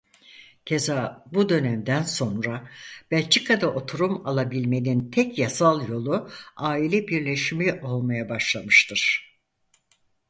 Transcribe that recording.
Keza bu dönemden sonra Belçika'da oturum alabilmenin tek yasal yolu aile birleşimi olmaya başlamıştır.